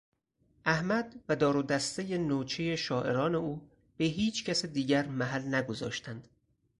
احمد و دار و دستهی نوچه شاعران او به هیچکس دیگر محل نگذاشتند.